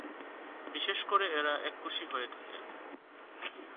বিশেষ করে এরা এককোষী হয়ে থাকে।